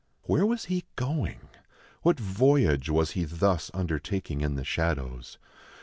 Where was he going ? What voyage was he thus under taking in the shadows